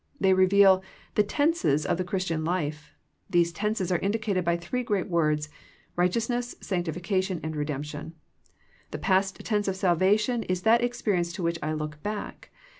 They reveal the tenses of the Christian life. These tenses are indicated by three great words, righteousness, sanctification, redemption. The past tense of salvation is that experience to which I look back.